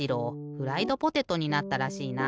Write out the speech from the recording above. フライドポテトになったらしいな。